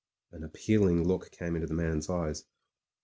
An appealing look came into the man's eyes.